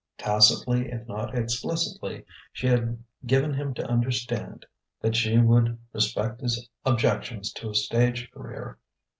Tacitly if not explicitly, she had given him to understand that she would respect his objections to a stage career.